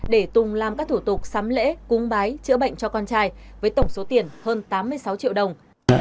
để tùng làm các thủ tục sắm lễ cúng bái chữa bệnh cho con trai với tổng số tiền hơn tám mươi sáu triệu đồng